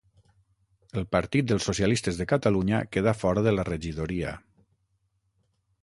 El Partit dels Socialistes de Catalunya queda fora de la regidoria.